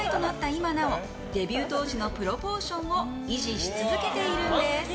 今なおデビュー当時のプロポーションを維持し続けているんです。